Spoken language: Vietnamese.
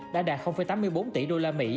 đã đạt tám mươi bốn tỷ usd